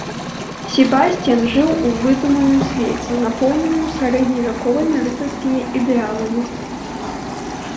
Себасцьян жыў у выдуманым свеце, напоўненым сярэдневяковымі рыцарскімі ідэаламі.